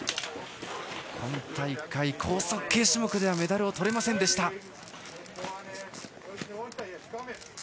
今大会、高速系種目ではメダルをとれませんでした。